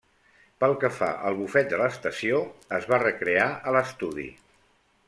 Pel que fa al bufet de l'estació, es va recrear a l'estudi.